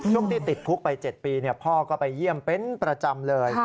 ที่ติดคุกไป๗ปีพ่อก็ไปเยี่ยมเป็นประจำเลย